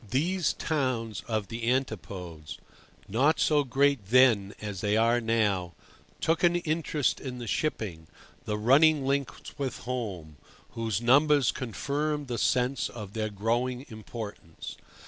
These towns of the Antipodes, not so great then as they are now, took an interest in the shipping, the running links with "home," whose numbers confirmed the sense of their growing importance.